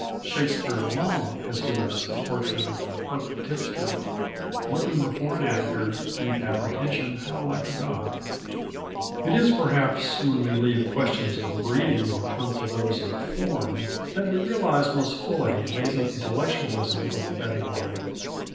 Shakespeare alone has given us a portrait of the perfect tipster "looking before and after ... in apprehension how like a god!" It is perhaps, however, when we leave questions of breeding and come to those of form, that we realise most fully the amazing intellectualism of the betting life.